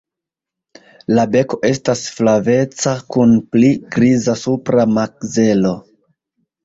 La beko estas flaveca kun pli griza supra makzelo.